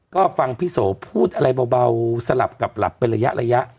ก็ฟังพี่โสพูดอะไรเบาสลับกับหลับเป็นระยะ